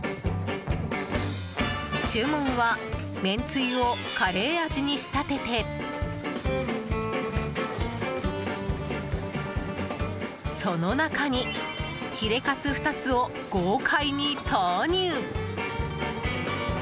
注文はめんつゆをカレー味に仕立ててその中にヒレカツ２つを豪快に投入。